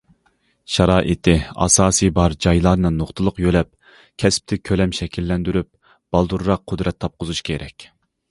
شارائىتى، ئاساسىي بار جايلارنى نۇقتىلىق يۆلەپ، كەسىپتە كۆلەم شەكىللەندۈرۈپ، بالدۇرراق قۇدرەت تاپقۇزۇش كېرەك.